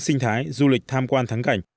sinh thái du lịch tham quan thắng cảnh